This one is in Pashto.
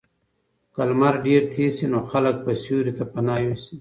که لمر ډېر تېز شي نو خلک به سیوري ته پناه یوسي.